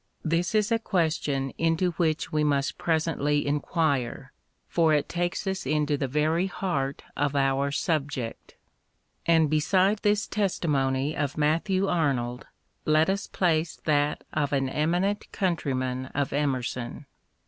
This is a question into which we must presently inquire, for it takes us into the very heart of our subject. And beside this testimony of Matthew Arnold let us place that of an eminent countryman of Emerson.